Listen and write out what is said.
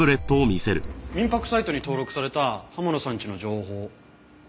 民泊サイトに登録された浜野さんちの情報。